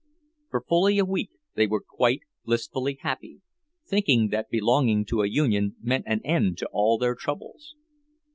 For fully a week they were quite blissfully happy, thinking that belonging to a union meant an end to all their troubles.